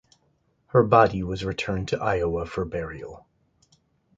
Her body was returned to Iowa for burial.